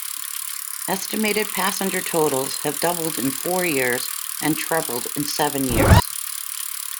Estimated passenger totals have doubled in four years and trebled in seven years.